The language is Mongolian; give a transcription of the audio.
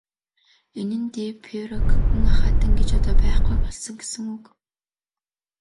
Энэ нь де Пейрак гүн ахайтан гэж одоо байхгүй болсон гэсэн үг.